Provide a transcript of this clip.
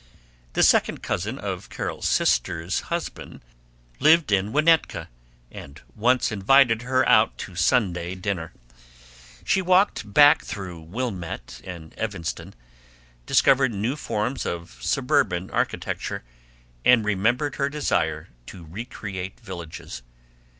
The second cousin of Carol's sister's husband lived in Winnetka, and once invited her out to Sunday dinner. She walked back through Wilmette and Evanston, discovered new forms of suburban architecture, and remembered her desire to recreate villages.